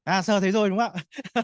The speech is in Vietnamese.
à sợ thấy rồi đúng không ạ